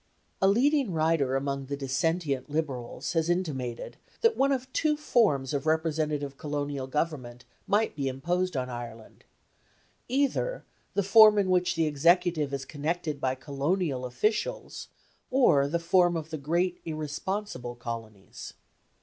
A leading writer among the dissentient Liberals has intimated that one of two forms of representative colonial government might be imposed on Ireland either the form in which the executive is conducted by colonial officials, or the form of the great irresponsible colonies.